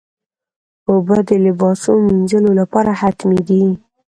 اوبه د لباسو مینځلو لپاره حتمي دي.